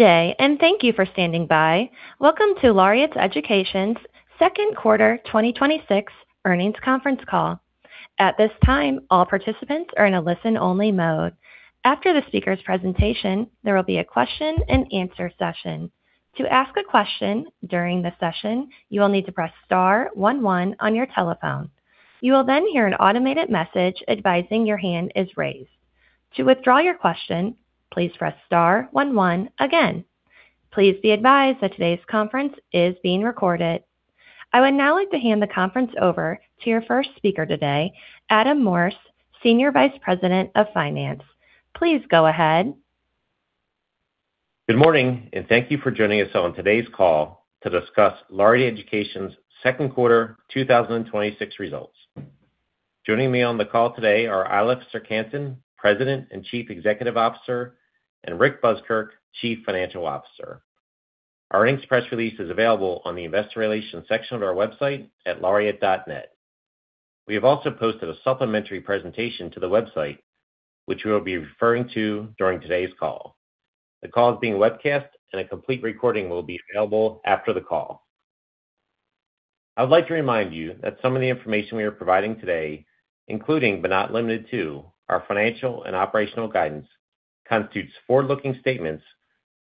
Welcome to Laureate Education's second quarter 2026 earnings conference call. At this time, all participants are in a listen-only mode. After the speaker's presentation, there will be a question and answer session. To ask a question during the session, you will need to press star one one on your telephone. You will then hear an automated message advising your hand is raised. To withdraw your question, please press star one one again. Please be advised that today's conference is being recorded. I would now like to hand the conference over to your first speaker today, Adam Morse, Senior Vice President of Finance. Please go ahead. Good morning, and thank you for joining us on today's call to discuss Laureate Education's second quarter 2026 results. Joining me on the call today are Eilif Serck-Hanssen, President and Chief Executive Officer, and Rick Buskirk, Chief Financial Officer. Our earnings press release is available on the investor relations section of our website at laureate.net. We have also posted a supplementary presentation to the website, which we will be referring to during today's call. The call is being webcast, and a complete recording will be available after the call. I would like to remind you that some of the information we are providing today, including but not limited to our financial and operational guidance, constitutes forward-looking statements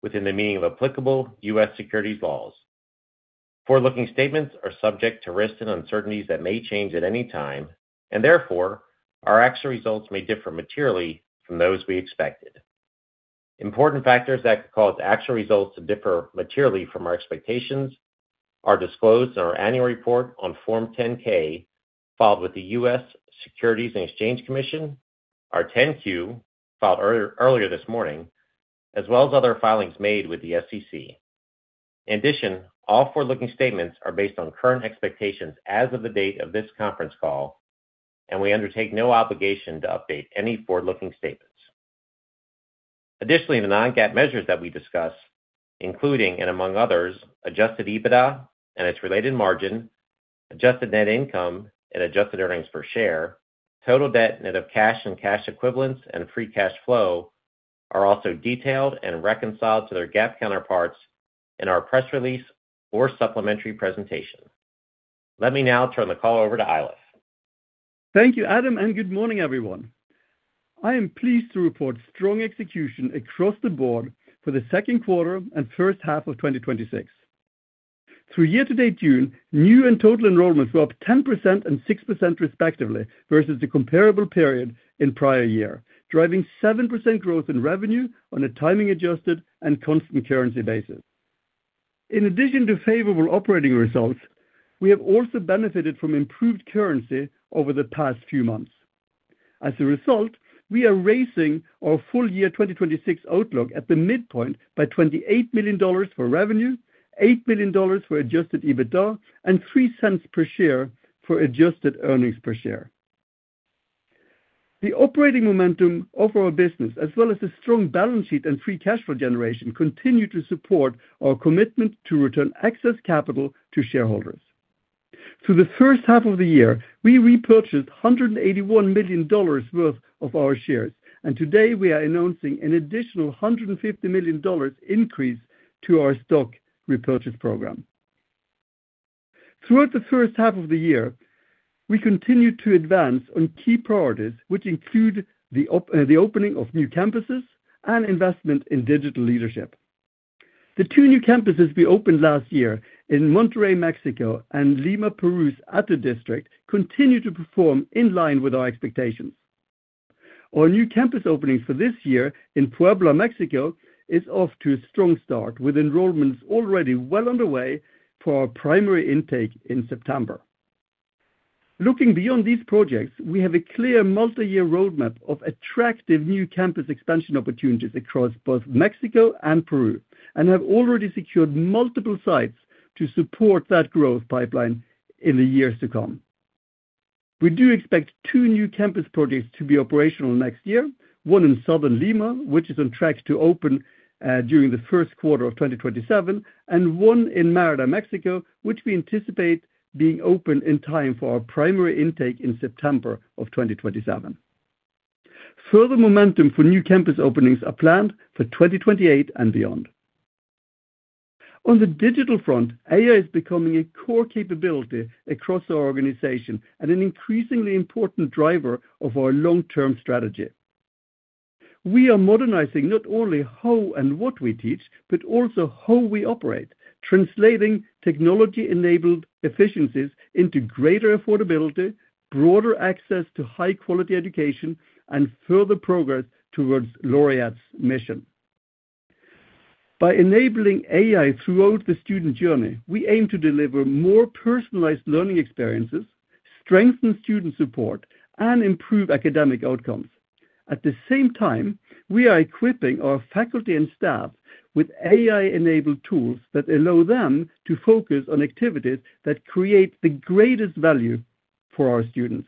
within the meaning of applicable U.S. securities laws. Forward-looking statements are subject to risks and uncertainties that may change at any time. Therefore, our actual results may differ materially from those we expected. Important factors that could cause actual results to differ materially from our expectations are disclosed in our annual report on Form 10-K filed with the U.S. Securities and Exchange Commission, our 10-Q filed earlier this morning, as well as other filings made with the SEC. In addition, all forward-looking statements are based on current expectations as of the date of this conference call. We undertake no obligation to update any forward-looking statements. Additionally, the non-GAAP measures that we discuss, including and among others, adjusted EBITDA and its related margin, adjusted net income and adjusted earnings per share, total debt, net of cash and cash equivalents, and free cash flow are also detailed and reconciled to their GAAP counterparts in our press release or supplementary presentation. Let me now turn the call over to Eilif. Thank you, Adam, and good morning, everyone. I am pleased to report strong execution across the board for the second quarter and first half of 2026. Through year-to-date June, new and total enrollments were up 10% and 6% respectively, versus the comparable period in prior year, driving 7% growth in revenue on a timing adjusted and constant currency basis. In addition to favorable operating results, we have also benefited from improved currency over the past few months. As a result, we are raising our full year 2026 outlook at the midpoint by $28 million for revenue, $8 million for adjusted EBITDA, and $0.03 per share for adjusted earnings per share. The operating momentum of our business, as well as the strong balance sheet and free cash flow generation, continue to support our commitment to return excess capital to shareholders. Through the first half of the year, we repurchased $181 million worth of our shares. Today we are announcing an additional $150 million increase to our stock repurchase program. Throughout the first half of the year, we continued to advance on key priorities, which include the opening of new campuses and investment in digital leadership. The two new campuses we opened last year in Monterrey, Mexico, and Lima, Peru's Ate District continue to perform in line with our expectations. Our new campus opening for this year in Puebla, Mexico, is off to a strong start with enrollments already well underway for our primary intake in September. Looking beyond these projects, we have a clear multi-year roadmap of attractive new campus expansion opportunities across both Mexico and Peru and have already secured multiple sites to support that growth pipeline in the years to come. We do expect two new campus projects to be operational next year, one in southern Lima, which is on track to open during the first quarter of 2027, and one in Mérida, Mexico, which we anticipate being open in time for our primary intake in September of 2027. Further momentum for new campus openings are planned for 2028 and beyond. On the digital front, AI is becoming a core capability across our organization and an increasingly important driver of our long-term strategy. We are modernizing not only how and what we teach, but also how we operate, translating technology-enabled efficiencies into greater affordability, broader access to high-quality education, and further progress towards Laureate's mission. By enabling AI throughout the student journey, we aim to deliver more personalized learning experiences, strengthen student support, and improve academic outcomes. At the same time, we are equipping our faculty and staff with AI-enabled tools that allow them to focus on activities that create the greatest value for our students.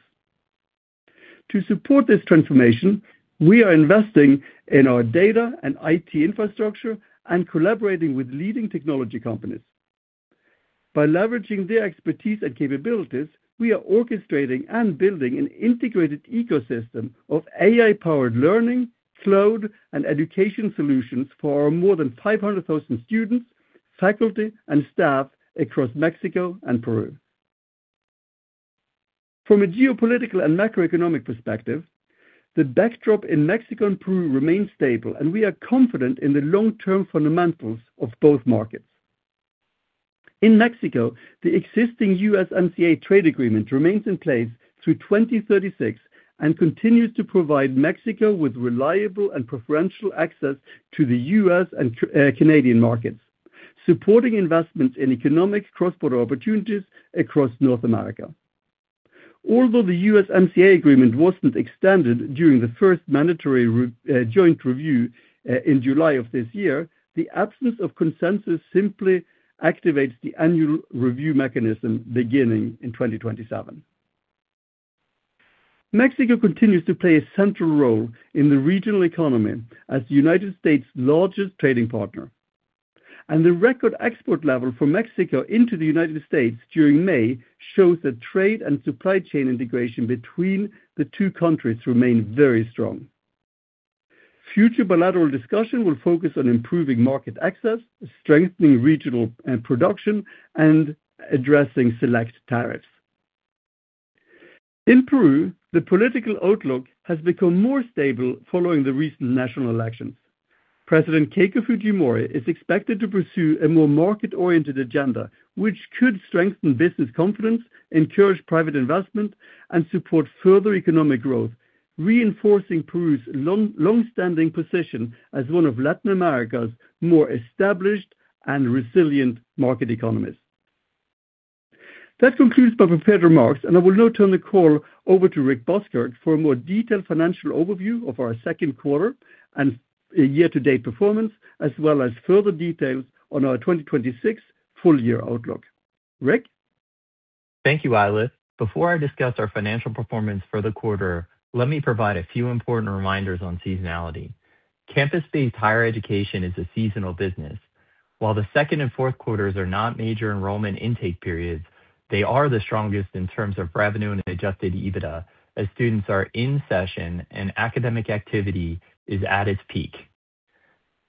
To support this transformation, we are investing in our data and IT infrastructure and collaborating with leading technology companies. By leveraging their expertise and capabilities, we are orchestrating and building an integrated ecosystem of AI-powered learning, cloud, and education solutions for our more than 500,000 students, faculty, and staff across Mexico and Peru. From a geopolitical and macroeconomic perspective, the backdrop in Mexico and Peru remains stable, and we are confident in the long-term fundamentals of both markets. In Mexico, the existing USMCA trade agreement remains in place through 2036 and continues to provide Mexico with reliable and preferential access to the U.S. and Canadian markets, supporting investments in economic cross-border opportunities across North America. Although the USMCA agreement wasn't extended during the first mandatory joint review in July of this year, the absence of consensus simply activates the annual review mechanism beginning in 2027. Mexico continues to play a central role in the regional economy as the U.S.'s largest trading partner. The record export level for Mexico into the United States during May shows that trade and supply chain integration between the two countries remain very strong. Future bilateral discussion will focus on improving market access, strengthening regional production, and addressing select tariffs. In Peru, the political outlook has become more stable following the recent national elections. President Keiko Fujimori is expected to pursue a more market-oriented agenda, which could strengthen business confidence, encourage private investment, and support further economic growth, reinforcing Peru's longstanding position as one of Latin America's more established and resilient market economies. That concludes my prepared remarks, I will now turn the call over to Rick Buskirk for a more detailed financial overview of our second quarter and year-to-date performance, as well as further details on our 2026 full-year outlook. Rick? Thank you, Eilif. Before I discuss our financial performance for the quarter, let me provide a few important reminders on seasonality. Campus-based higher education is a seasonal business. While the second and fourth quarters are not major enrollment intake periods, they are the strongest in terms of revenue and adjusted EBITDA, as students are in session and academic activity is at its peak.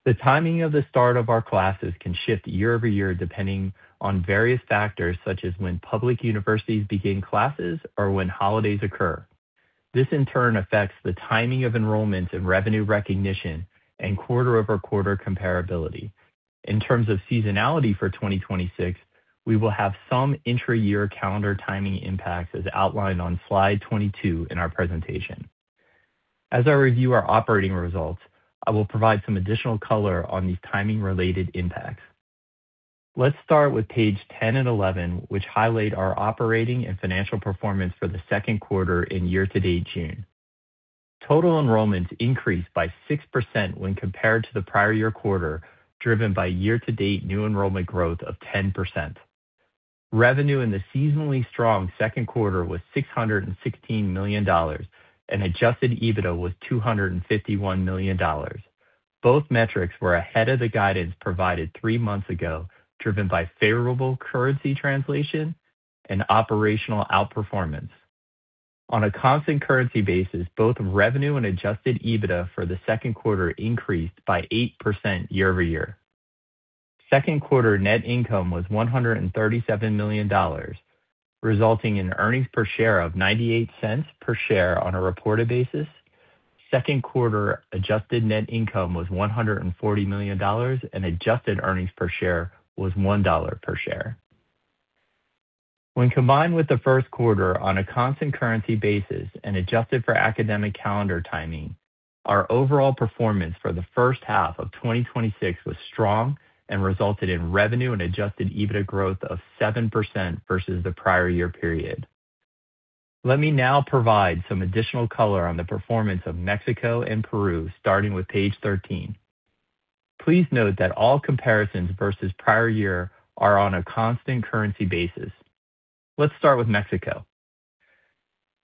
The timing of the start of our classes can shift year-over-year, depending on various factors, such as when public universities begin classes or when holidays occur. This, in turn, affects the timing of enrollments and revenue recognition and quarter-over-quarter comparability. In terms of seasonality for 2026, we will have some intra-year calendar timing impacts, as outlined on slide 22 in our presentation. As I review our operating results, I will provide some additional color on these timing-related impacts. Let's start with page 10 and 11, which highlight our operating and financial performance for the second quarter and year-to-date June. Total enrollments increased by 6% when compared to the prior year quarter, driven by year-to-date new enrollment growth of 10%. Revenue in the seasonally strong second quarter was $616 million, and adjusted EBITDA was $251 million. Both metrics were ahead of the guidance provided three months ago, driven by favorable currency translation and operational outperformance. On a constant currency basis, both revenue and adjusted EBITDA for the second quarter increased by 8% year-over-year. Second quarter net income was $137 million, resulting in earnings per share of $0.98 per share on a reported basis. Second quarter adjusted net income was $140 million, and adjusted earnings per share was $1 per share. When combined with the first quarter on a constant currency basis and adjusted for academic calendar timing, our overall performance for the first half of 2026 was strong and resulted in revenue and adjusted EBITDA growth of 7% versus the prior year period. Let me now provide some additional color on the performance of Mexico and Peru, starting with page 13. Please note that all comparisons versus prior year are on a constant currency basis. Let's start with Mexico.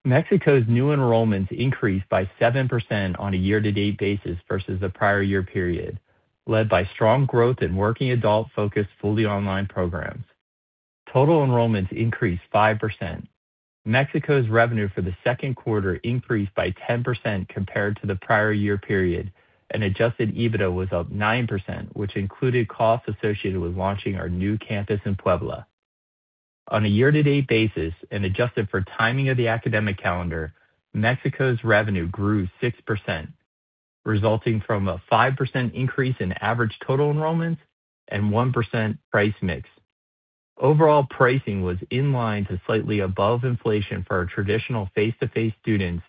Mexico's new enrollments increased by 7% on a year-to-date basis versus the prior year period, led by strong growth in working adult-focused, fully online programs. Total enrollments increased 5%. Mexico's revenue for the second quarter increased by 10% compared to the prior year period, and adjusted EBITDA was up 9%, which included costs associated with launching our new campus in Puebla. On a year-to-date basis and adjusted for timing of the academic calendar, Mexico's revenue grew 6%, resulting from a 5% increase in average total enrollments and 1% price mix. Overall pricing was in line to slightly above inflation for our traditional face-to-face students,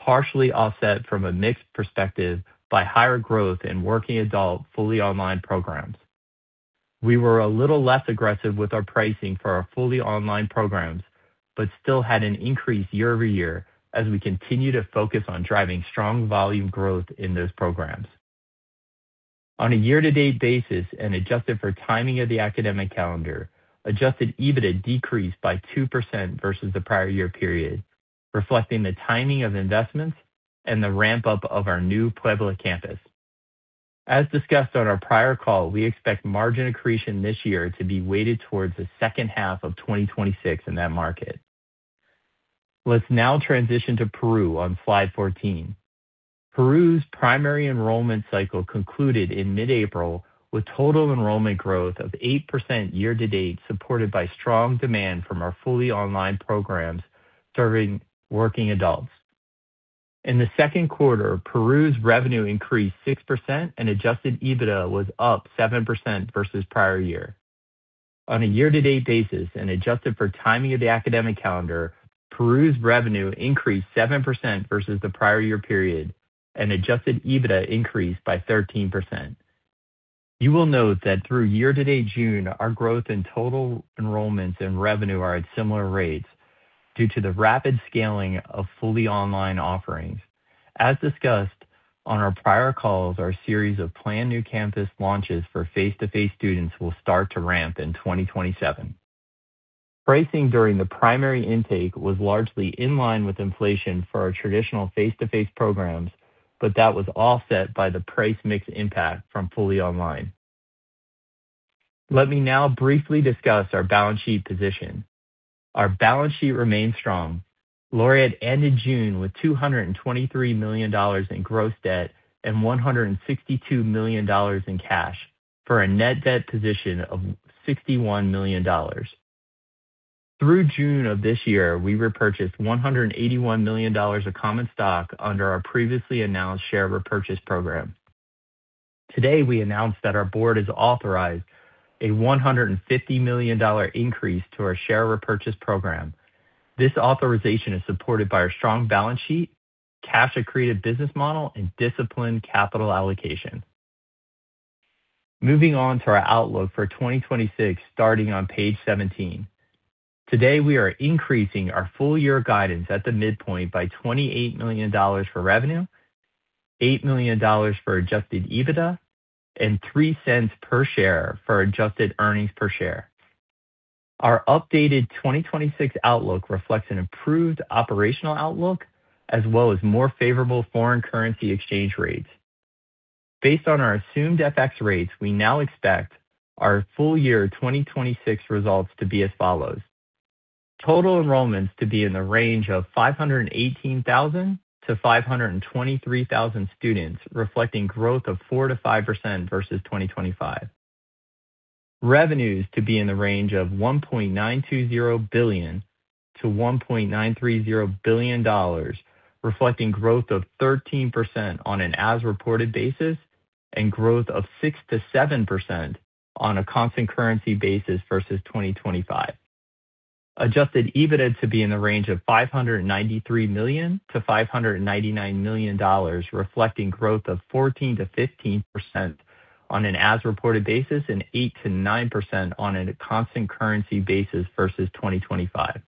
partially offset from a mixed perspective by higher growth in working adult fully online programs. We were a little less aggressive with our pricing for our fully online programs, but still had an increase year-over-year as we continue to focus on driving strong volume growth in those programs. On a year-to-date basis and adjusted for timing of the academic calendar, adjusted EBITDA decreased by 2% versus the prior year period, reflecting the timing of investments and the ramp-up of our new Puebla campus. As discussed on our prior call, we expect margin accretion this year to be weighted towards the second half of 2026 in that market. Let's now transition to Peru on slide 14. Peru's primary enrollment cycle concluded in mid-April with total enrollment growth of 8% year to date, supported by strong demand from our fully online programs serving working adults. In the second quarter, Peru's revenue increased 6% and adjusted EBITDA was up 7% versus prior year. On a year-to-date basis and adjusted for timing of the academic calendar, Peru's revenue increased 7% versus the prior year period and adjusted EBITDA increased by 13%. You will note that through year to date, June, our growth in total enrollments and revenue are at similar rates due to the rapid scaling of fully online offerings. As discussed on our prior calls, our series of planned new campus launches for face-to-face students will start to ramp in 2027. Pricing during the primary intake was largely in line with inflation for our traditional face-to-face programs, but that was offset by the price mix impact from fully online. Let me now briefly discuss our balance sheet position. Our balance sheet remains strong. Laureate ended June with $223 million in gross debt and $162 million in cash, for a net debt position of $61 million. Through June of this year, we repurchased $181 million of common stock under our previously announced share repurchase program. Today, we announced that our board has authorized a $150 million increase to our share repurchase program. This authorization is supported by our strong balance sheet, cash accretive business model, and disciplined capital allocation. Moving on to our outlook for 2026, starting on page 17. Today, we are increasing our full year guidance at the midpoint by $28 million for revenue, $8 million for adjusted EBITDA, and $0.03 per share for adjusted earnings per share. Our updated 2026 outlook reflects an improved operational outlook as well as more favorable foreign currency exchange rates. Based on our assumed FX rates, we now expect our full year 2026 results to be as follows: Total enrollments to be in the range of 518,000-523,000 students, reflecting growth of 4%-5% versus 2025. Revenues to be in the range of $1.920 billion-$1.930 billion, reflecting growth of 13% on an as reported basis, and growth of 6%-7% on a constant currency basis versus 2025. Adjusted EBITDA to be in the range of $593 million-$599 million, reflecting growth of 14%-15% on an as reported basis, and 8%-9% on a constant currency basis versus 2025.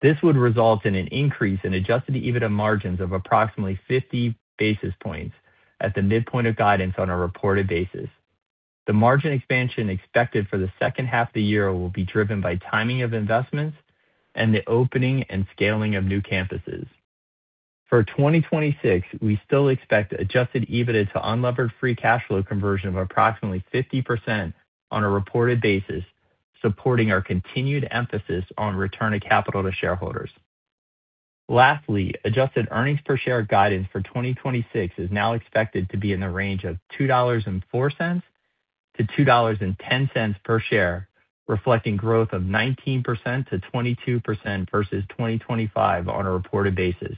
This would result in an increase in adjusted EBITDA margins of approximately 50 basis points at the midpoint of guidance on a reported basis. The margin expansion expected for the second half of the year will be driven by timing of investments and the opening and scaling of new campuses. For 2026, we still expect adjusted EBITDA to unlevered free cash flow conversion of approximately 50% on a reported basis, supporting our continued emphasis on return of capital to shareholders. Lastly, adjusted earnings per share guidance for 2026 is now expected to be in the range of $2.04-$2.10 per share, reflecting growth of 19%-22% versus 2025 on a reported basis.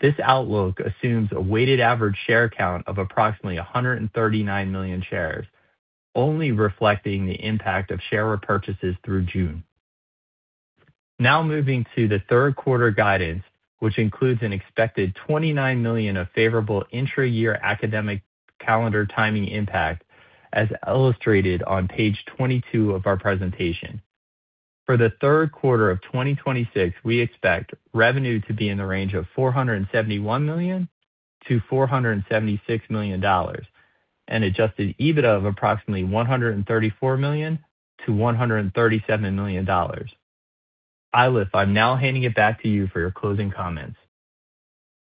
This outlook assumes a weighted average share count of approximately 139 million shares, only reflecting the impact of share repurchases through June. Now moving to the third quarter guidance, which includes an expected $29 million of favorable intra-year academic calendar timing impact, as illustrated on page 22 of our presentation. For the third quarter of 2026, we expect revenue to be in the range of $471 million-$476 million, and adjusted EBITDA of approximately $134 million-$137 million. Eilif, I'm now handing it back to you for your closing comments.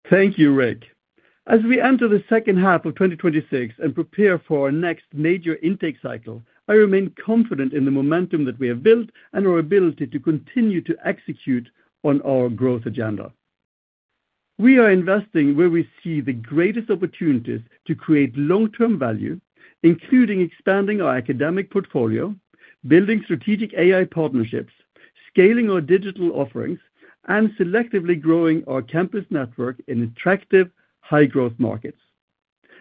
Thank you, Rick. As we enter the second half of 2026 and prepare for our next major intake cycle, I remain confident in the momentum that we have built and our ability to continue to execute on our growth agenda. We are investing where we see the greatest opportunities to create long-term value, including expanding our academic portfolio, building strategic AI partnerships, scaling our digital offerings, and selectively growing our campus network in attractive high-growth markets.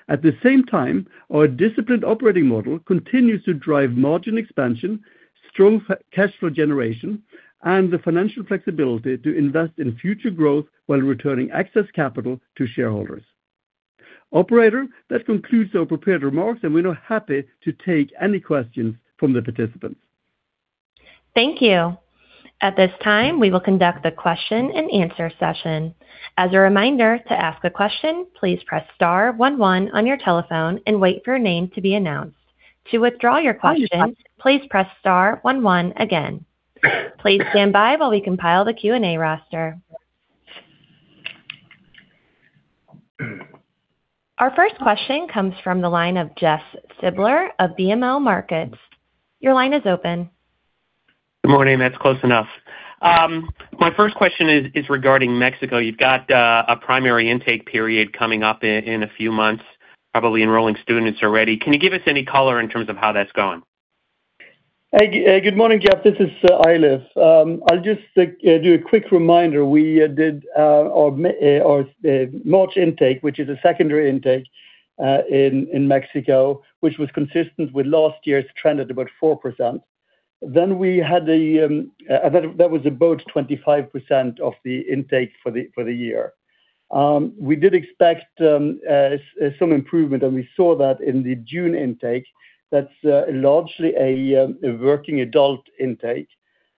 At the same time, our disciplined operating model continues to drive margin expansion, strong cash flow generation, and the financial flexibility to invest in future growth while returning excess capital to shareholders. Operator, that concludes our prepared remarks, and we're now happy to take any questions from the participants. Thank you. At this time, we will conduct a question and answer session. As a reminder, to ask a question, please press star one one on your telephone and wait for your name to be announced. To withdraw your question, please press star one one again. Please stand by while we compile the Q&A roster. Our first question comes from the line of Jeff Silber of BMO Capital Markets. Your line is open. Good morning. That's close enough. My first question is regarding Mexico. You've got a primary intake period coming up in a few months, probably enrolling students already. Can you give us any color in terms of how that's going? Good morning, Jeff. This is Eilif. I'll just do a quick reminder. We did our March intake, which is a secondary intake in Mexico, which was consistent with last year's trend at about 4%. That was about 25% of the intake for the year. We did expect some improvement, and we saw that in the June intake. That's largely a working adult intake,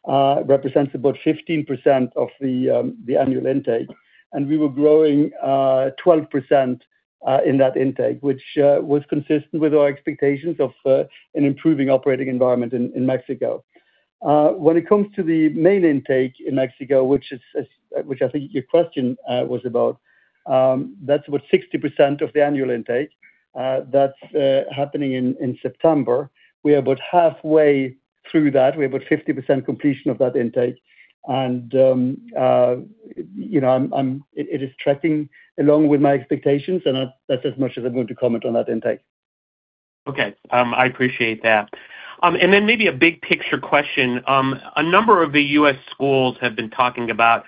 represents about 15% of the annual intake. We were growing 12% in that intake, which was consistent with our expectations of an improving operating environment in Mexico. When it comes to the main intake in Mexico, which I think your question was about, that's about 60% of the annual intake. That's happening in September. We're about halfway through that. We're about 50% completion of that intake. It is tracking along with my expectations, and that's as much as I'm going to comment on that intake. Okay. I appreciate that. Then maybe a big-picture question. A number of the U.S. schools have been talking about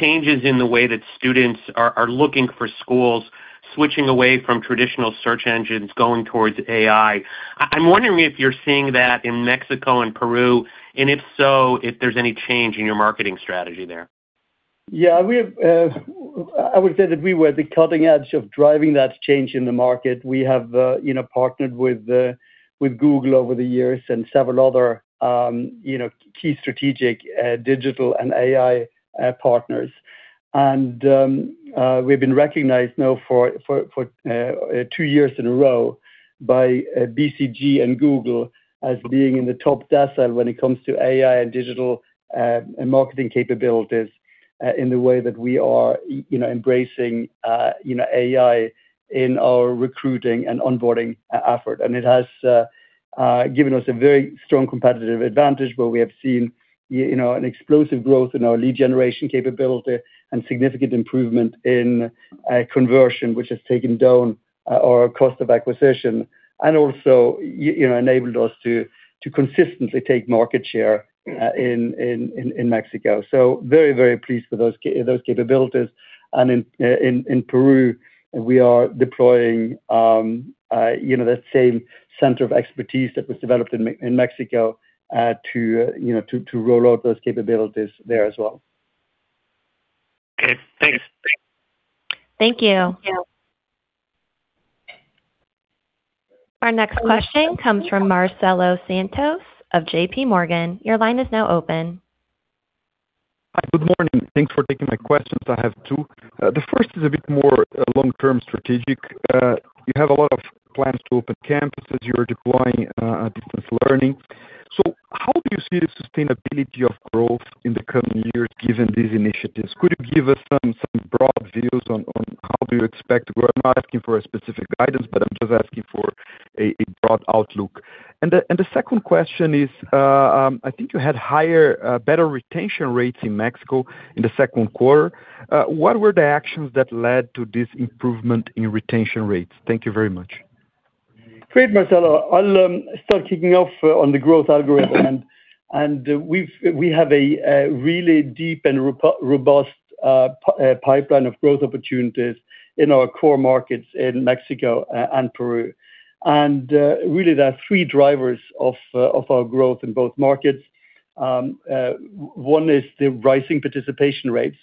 changes in the way that students are looking for schools, switching away from traditional search engines, going towards AI. I'm wondering if you're seeing that in Mexico and Peru, and if so, if there's any change in your marketing strategy there. Yeah. I would say that we were the cutting edge of driving that change in the market. We have partnered with Google over the years and several other key strategic digital and AI partners. We've been recognized now for two years in a row by BCG and Google as being in the top decile when it comes to AI and digital and marketing capabilities in the way that we are embracing AI in our recruiting and onboarding effort. It has given us a very strong competitive advantage where we have seen an explosive growth in our lead generation capability and significant improvement in conversion, which has taken down our cost of acquisition and also enabled us to consistently take market share in Mexico. Very, very pleased with those capabilities. In Peru, we are deploying that same center of expertise that was developed in Mexico to roll out those capabilities there as well. Okay, thanks. Thank you. Our next question comes from Marcelo Santos of JPMorgan. Your line is now open. Hi, good morning. Thanks for taking my questions. I have two. The first is a bit more long-term strategic. You have a lot of plans to open campuses. You're deploying distance learning. How do you see the sustainability of growth in the coming years given these initiatives? Could you give us some broad views on how do you expect? We're not asking for a specific guidance, but I'm just asking for a broad outlook. The second question is, I think you had better retention rates in Mexico in the second quarter. What were the actions that led to this improvement in retention rates? Thank you very much. Great, Marcelo. I'll start kicking off on the growth algorithm. We have a really deep and robust pipeline of growth opportunities in our core markets in Mexico and Peru. There are three drivers of our growth in both markets. One is the rising participation rates.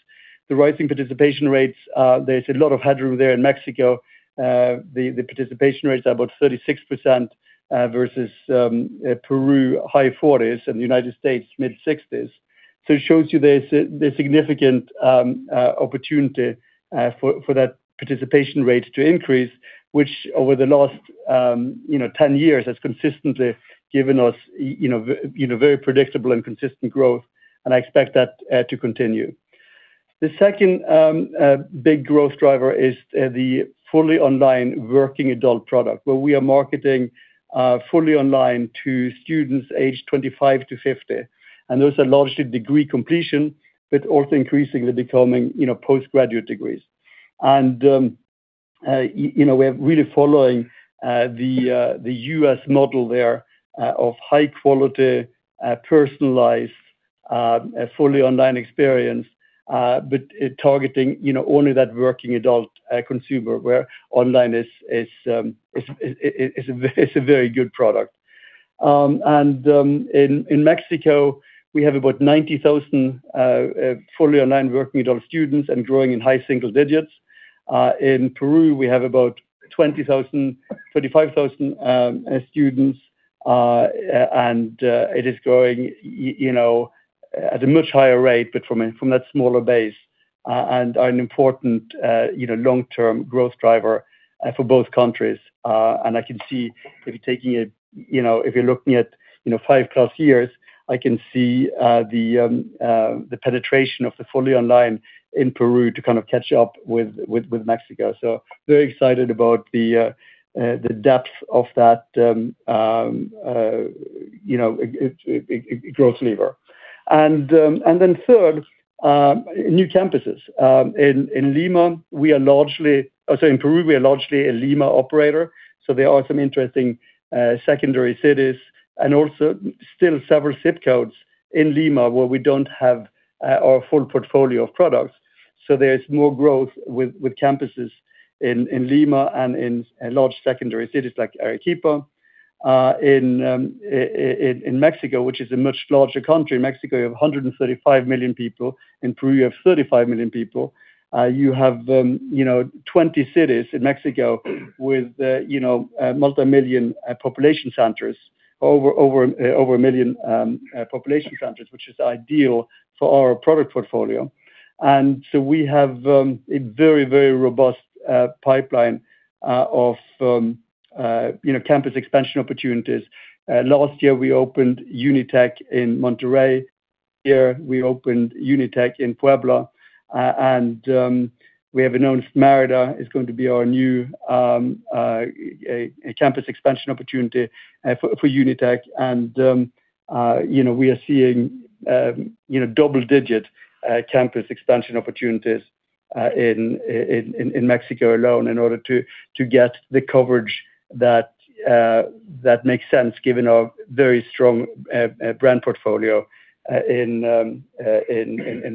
The rising participation rates, there's a lot of headroom there in Mexico. The participation rates are about 36%, versus Peru, high 40s, and the U.S., mid-60s. It shows you the significant opportunity for that participation rate to increase, which over the last 10 years has consistently given us very predictable and consistent growth, and I expect that to continue. The second big growth driver is the fully online working adult product, where we are marketing fully online to students aged 25-50. Those are largely degree completion, but also increasingly becoming post-graduate degrees. We're really following the U.S. model there of high-quality, personalized, fully online experience, but targeting only that working adult consumer where online is a very good product. In Mexico, we have about 90,000 fully online working adult students and growing in high single digits. In Peru, we have about 25,000 students, and it is growing at a much higher rate, but from that smaller base. Are an important long-term growth driver for both countries. I can see if you're looking at 5+ years, I can see the penetration of the fully online in Peru to kind of catch up with Mexico. Very excited about the depth of that growth lever. Third, new campuses. In Peru, we are largely a Lima operator, there are some interesting secondary cities and also still several ZIP codes in Lima where we don't have our full portfolio of products. There's more growth with campuses in Lima and in large secondary cities like Arequipa. In Mexico, which is a much larger country, Mexico, you have 135 million people. In Peru, you have 35 million people. You have 20 cities in Mexico with multimillion population centers, over a million population centers, which is ideal for our product portfolio. We have a very, very robust pipeline of campus expansion opportunities. Last year, we opened UNITEC in Monterrey. Here, we opened UNITEC in Puebla. We have announced Mérida is going to be our new campus expansion opportunity for UNITEC. We are seeing double-digit campus expansion opportunities in Mexico alone in order to get the coverage that makes sense given our very strong brand portfolio in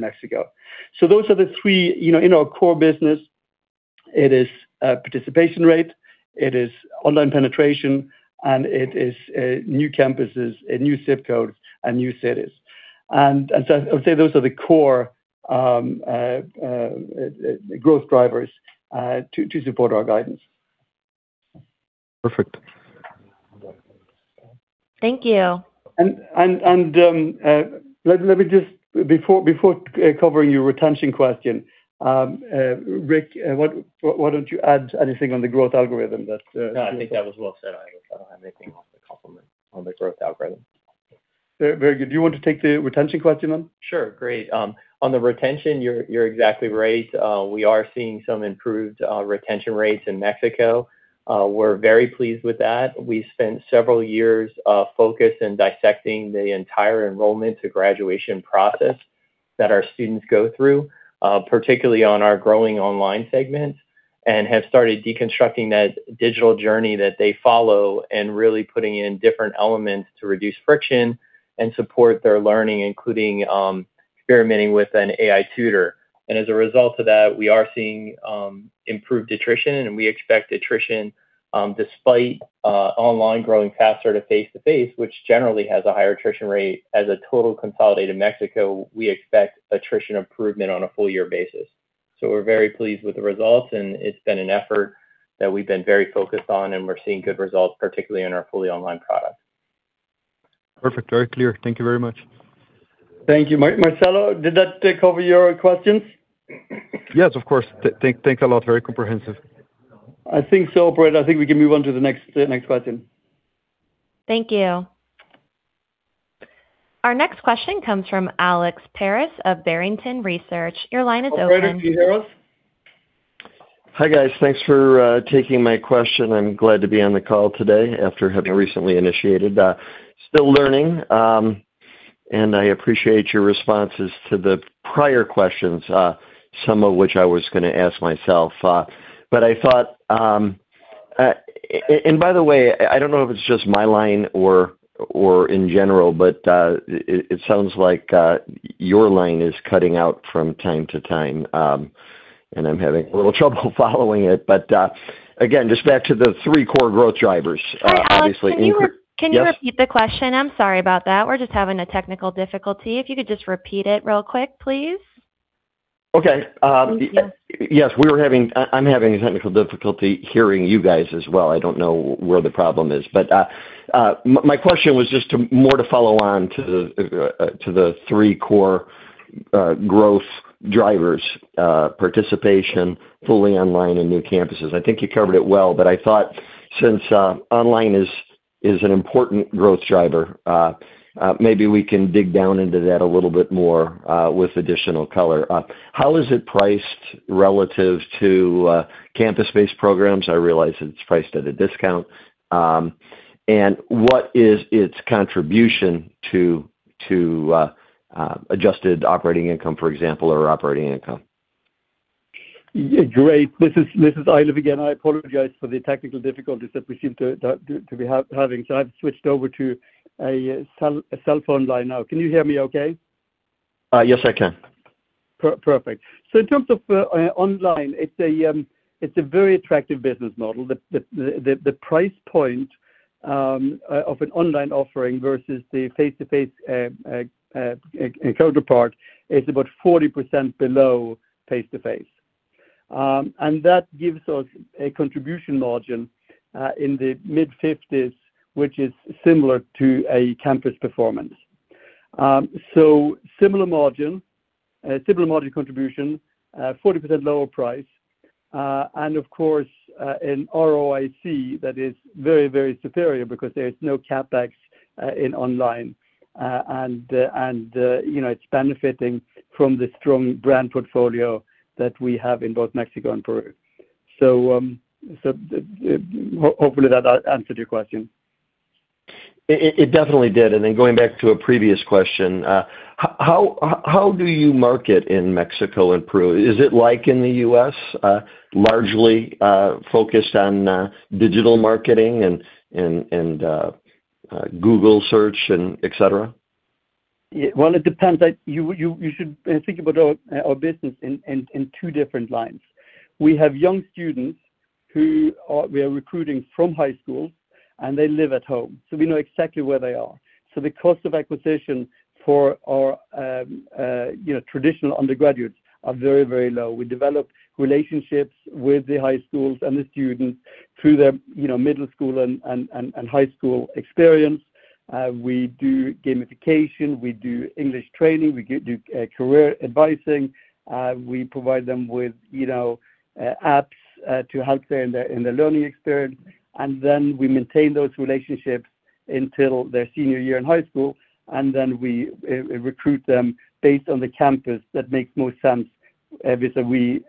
Mexico. Those are the three in our core business. It is participation rate, it is online penetration, and it is new campuses and new ZIP codes and new cities. I would say those are the core growth drivers to support our guidance. Perfect. Thank you. Let me just, before covering your retention question, Rick, why don't you add anything on the growth algorithm. No, I think that was well said, Eilif. I don't have anything else to complement on the growth algorithm. Very good. Do you want to take the retention question on? Sure. Great. On the retention, you're exactly right. We are seeing some improved retention rates in Mexico. We're very pleased with that. We spent several years focused in dissecting the entire enrollment-to-graduation process that our students go through, particularly on our growing online segment, and have started deconstructing that digital journey that they follow and really putting in different elements to reduce friction and support their learning, including experimenting with an AI tutor. As a result of that, we are seeing improved attrition, and we expect attrition despite online growing faster to face-to-face, which generally has a higher attrition rate. As a total consolidated Mexico, we expect attrition improvement on a full-year basis. We're very pleased with the results, and it's been an effort that we've been very focused on, and we're seeing good results, particularly on our fully online product. Perfect. Very clear. Thank you very much. Thank you. Marcelo, did that take over your questions? Yes, of course. Thank a lot. Very comprehensive. I think so, operator. I think we can move on to the next question. Thank you. Our next question comes from Alex Paris of Barrington Research. Your line is open. Operator, can you hear us? Hi, guys. Thanks for taking my question. I'm glad to be on the call today after having recently initiated. Still learning. I appreciate your responses to the prior questions, some of which I was going to ask myself. By the way, I don't know if it's just my line or in general, but it sounds like your line is cutting out from time to time, and I'm having a little trouble following it. Again, just back to the three core growth drivers. Sorry, Alex. Yes. Can you repeat the question? I'm sorry about that. We're just having a technical difficulty. If you could just repeat it real quick, please. Okay. Thank you. Yes. I'm having a technical difficulty hearing you guys as well. I don't know where the problem is. My question was just more to follow on to the three core growth drivers: participation, fully online, and new campuses. I think you covered it well, but I thought since online is an important growth driver, maybe we can dig down into that a little bit more with additional color. How is it priced relative to campus-based programs? I realize it's priced at a discount. What is its contribution to adjusted operating income, for example, or operating income? Great. This is Eilif again. I apologize for the technical difficulties that we seem to be having. I've switched over to a cellphone line now. Can you hear me okay? Yes, I can. Perfect. In terms of online, it's a very attractive business model. The price point of an online offering versus the face-to-face counterpart is about 40% below face-to-face. That gives us a contribution margin in the mid-50s, which is similar to a campus performance. Similar margin contribution, 40% lower price. Of course, an ROIC that is very superior because there is no CapEx in online. It's benefiting from the strong brand portfolio that we have in both Mexico and Peru. Hopefully that answered your question. It definitely did. Going back to a previous question, how do you market in Mexico and Peru? Is it like in the U.S., largely focused on digital marketing and Google search and et cetera? Well, it depends. You should think about our business in two different lines. We have young students who we are recruiting from high school, and they live at home. We know exactly where they are. The cost of acquisition for our traditional undergraduates are very low. We develop relationships with the high schools and the students through their middle school and high school experience. We do gamification. We do English training. We do career advising. We provide them with apps to help them in their learning experience. We maintain those relationships until their senior year in high school, then we recruit them based on the campus that makes most sense based on the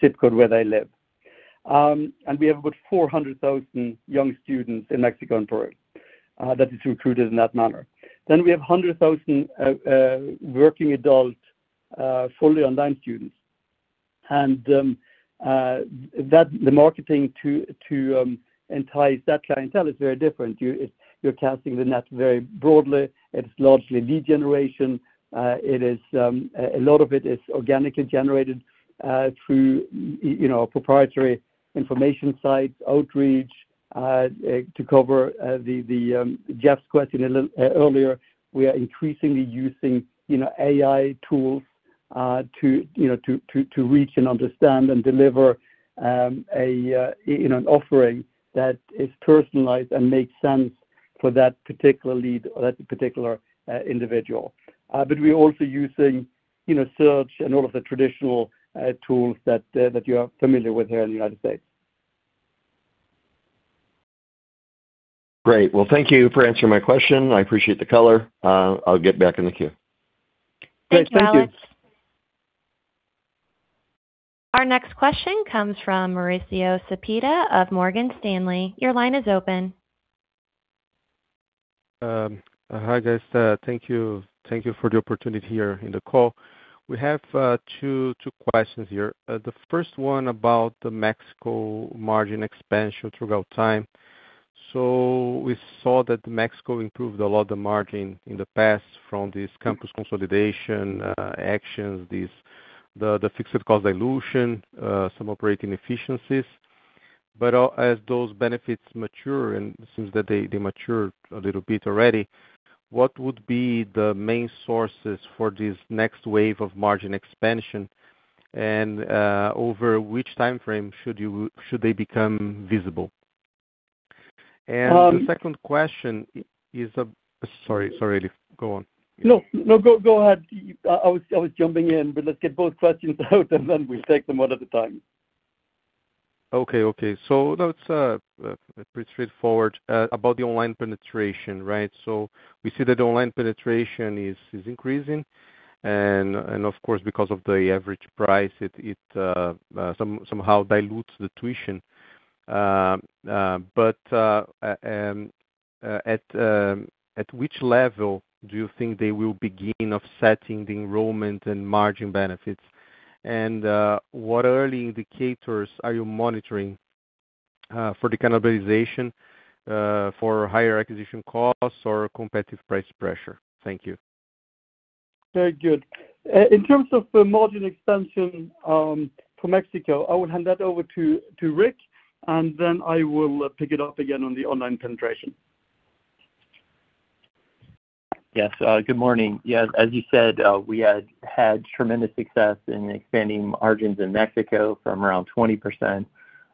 ZIP code where they live. We have about 400,000 young students in Mexico and Peru that is recruited in that manner. We have 100,000 working adult, fully online students. The marketing to entice that clientele is very different. You're casting the net very broadly. It is largely lead generation. A lot of it is organically generated through proprietary information sites, outreach. To cover Jeff's question a little earlier, we are increasingly using AI tools to reach and understand and deliver an offering that is personalized and makes sense for that particular lead or that particular individual. We're also using search and all of the traditional tools that you are familiar with here in the U.S. Great. Well, thank you for answering my question. I appreciate the color. I'll get back in the queue. Great. Thank you. Thank you, Alex. Our next question comes from Mauricio Cepeda of Morgan Stanley. Your line is open. Hi, guys. Thank you for the opportunity here in the call. We have two questions here. The first one about the Mexico margin expansion throughout time. We saw that Mexico improved a lot of margin in the past from this campus consolidation actions, the fixed cost dilution, some operating efficiencies. As those benefits mature, and it seems that they matured a little bit already, what would be the main sources for this next wave of margin expansion? Over which time frame should they become visible? The second question is—sorry, Eilif, go on. No, go ahead. I was jumping in, let's get both questions out, then we take them one at a time. Okay. That's pretty straightforward. About the online penetration, right? We see that online penetration is increasing, and of course, because of the average price, it somehow dilutes the tuition. At which level do you think they will begin offsetting the enrollment and margin benefits? What early indicators are you monitoring for the cannibalization for higher acquisition costs or competitive price pressure? Thank you. Very good. In terms of the margin expansion for Mexico, I will hand that over to Rick, and then I will pick it up again on the online penetration. Yes. Good morning. Yes, as you said, we had tremendous success in expanding margins in Mexico from around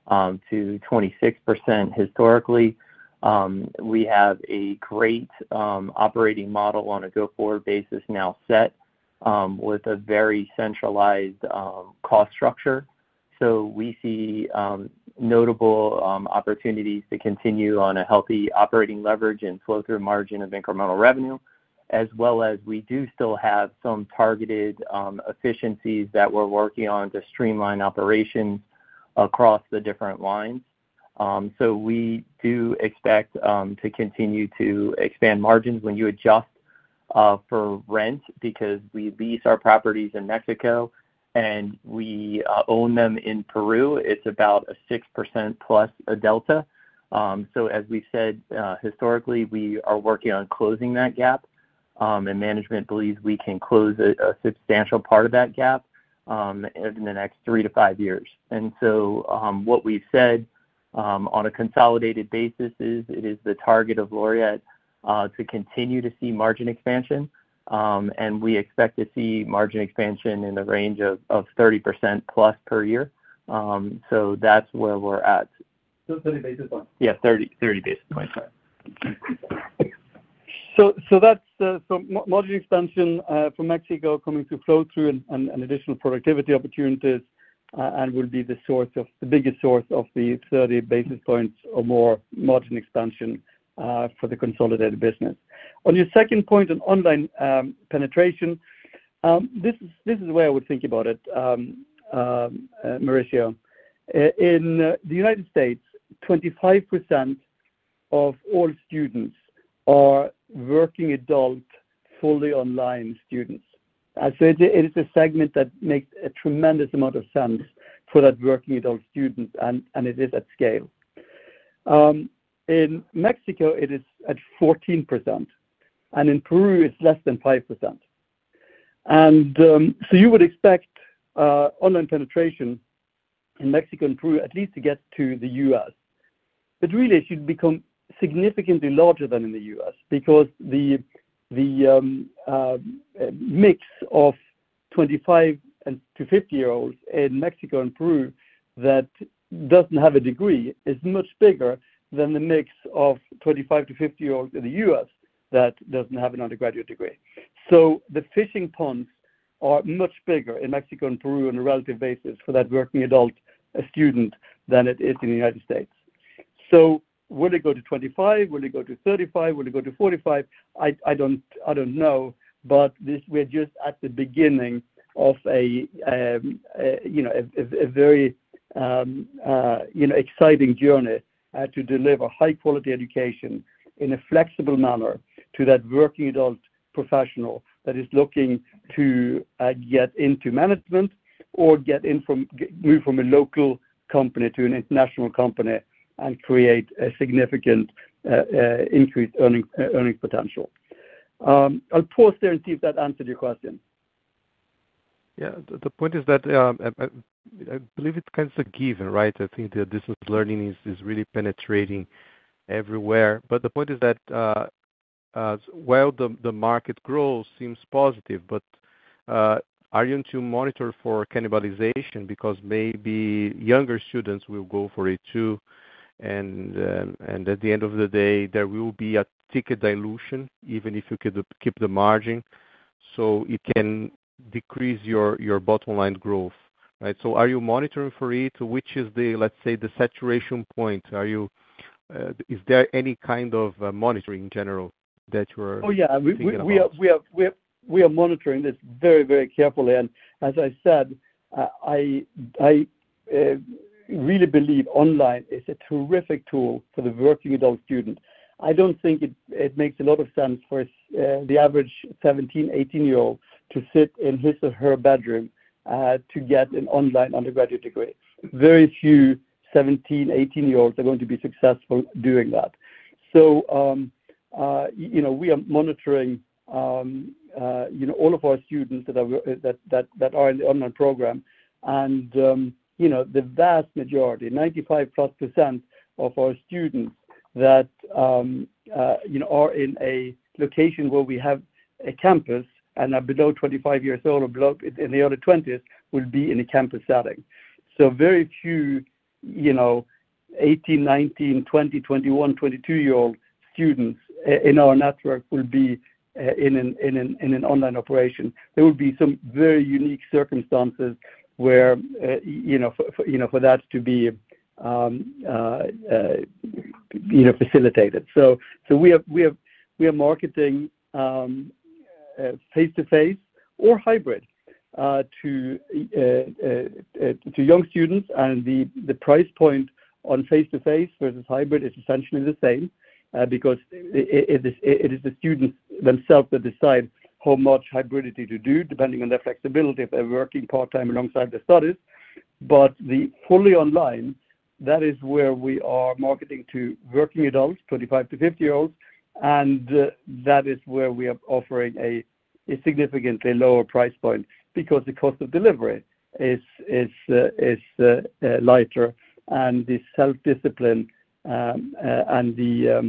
20%-26% historically. We have a great operating model on a go-forward basis now set with a very centralized cost structure. We see notable opportunities to continue on a healthy operating leverage and flow-through margin of incremental revenue, as well as we do still have some targeted efficiencies that we're working on to streamline operations across the different lines. We do expect to continue to expand margins when you adjust for rent, because we lease our properties in Mexico, and we own them in Peru. It's about a 6%+ delta. As we said historically, we are working on closing that gap, and management believes we can close a substantial part of that gap in the next three to five years. What we've said On a consolidated basis, it is the target of Laureate to continue to see margin expansion. We expect to see margin expansion in the range of 30%+ per year. That's where we're at. 30 basis points. Yeah, 30 basis points. Sorry. Margin expansion from Mexico coming through flow-through and additional productivity opportunities, will be the biggest source of the 30 basis points or more margin expansion for the consolidated business. On your second point on online penetration, this is the way I would think about it, Mauricio. In the U.S., 25% of all students are working adult, fully online students. I'd say it is a segment that makes a tremendous amount of sense for that working adult student, and it is at scale. In Mexico, it is at 14%, in Peru, it's less than 5%. You would expect online penetration in Mexico and Peru at least to get to the U.S. Really, it should become significantly larger than in the U.S. because the mix of 25-50-year-olds in Mexico and Peru that doesn't have a degree is much bigger than the mix of 25-50-year-olds in the U.S. that doesn't have an undergraduate degree. The fishing ponds are much bigger in Mexico and Peru on a relative basis for that working adult student than it is in the U.S. Will it go to 25? Will it go to 35? Will it go to 45? I don't know, but we're just at the beginning of a very exciting journey to deliver high-quality education in a flexible manner to that working adult professional that is looking to get into management or move from a local company to an international company and create a significant increased earning potential. I'll pause there and see if that answered your question. Yeah. The point is that I believe it's a given, right? I think that distance learning is really penetrating everywhere. The point is that while the market growth seems positive, are you to monitor for cannibalization? Because maybe younger students will go for it too, and at the end of the day, there will be a ticket dilution, even if you could keep the margin. It can decrease your bottom line growth, right? Are you monitoring for it? Which is, let's say, the saturation point? Is there any kind of monitoring in general that you're thinking about? Oh, yeah, we are monitoring this very carefully. As I said, I really believe online is a terrific tool for the working adult student. I don't think it makes a lot of sense for the average 17-18-year-old to sit in his or her bedroom to get an online undergraduate degree. Very few 17-18-year-olds are going to be successful doing that. We are monitoring all of our students that are in the online program. The vast majority, 95%+ of our students that are in a location where we have a campus, and are below 25 years old or in the early 20s, will be in a campus setting. Very few 18, 19, 20, 21, 22-year-old students in our network will be in an online operation. There will be some very unique circumstances for that to be facilitated. We are marketing face-to-face or hybrid to young students. The price point on face-to-face versus hybrid is essentially the same because it is the students themselves that decide how much hybridity to do, depending on their flexibility if they're working part-time alongside their studies. The fully online, that is where we are marketing to working adults, 25-50-year-olds, and that is where we are offering a significantly lower price point because the cost of delivery is lighter, and the self-discipline, and the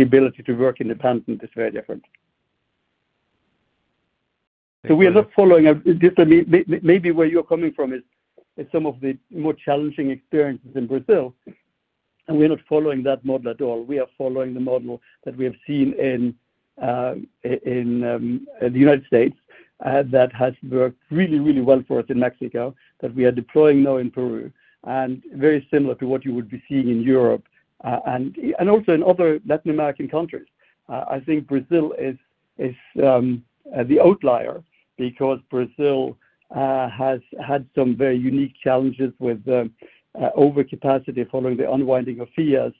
ability to work independently is very different. We are not following. Maybe where you're coming from is some of the more challenging experiences in Brazil, and we're not following that model at all. We are following the model that we have seen in the United States that has worked really well for us in Mexico, that we are deploying now in Peru, and very similar to what you would be seeing in Europe, and also in other Latin American countries. I think Brazil is the outlier because Brazil has had some very unique challenges with overcapacity following the unwinding of FIES.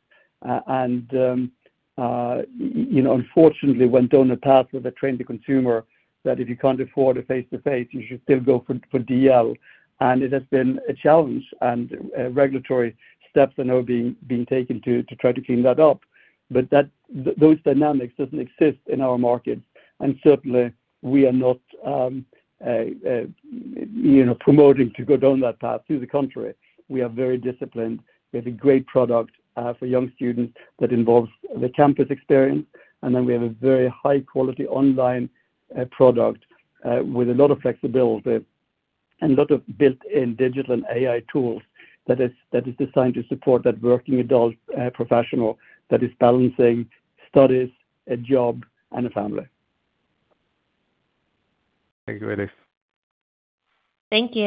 Unfortunately went down a path of a trained consumer that if you can't afford a face-to-face, you should still go for DL. It has been a challenge, and regulatory steps are now being taken to try to clean that up. Those dynamics doesn't exist in our market. Certainly, we are not promoting to go down that path. To the contrary, we are very disciplined. We have a great product for young students that involves the campus experience, and then we have a very high-quality online product with a lot of flexibility and a lot of built-in digital and AI tools that is designed to support that working adult professional that is balancing studies, a job, and a family. Thank you very much. Thank you.